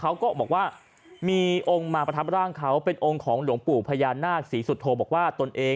ก็บอกว่ามีองค์มาประทับร่างเขาเป็นองค์ของหลวงปู่พญานาคศรีสุโธบอกว่าตนเอง